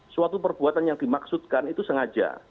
suatu perbuatan yang dimaksudkan itu sengaja